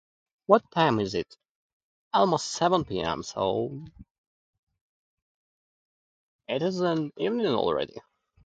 What time is it? Almost seven pm, so, it is in evening already.